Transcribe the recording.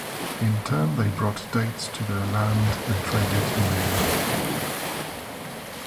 In turn they brought dates to their land and traded myrrh.